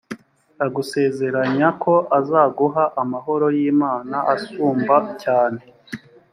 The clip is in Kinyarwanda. agusezeranya ko azaguha amahoro y imana asumba cyane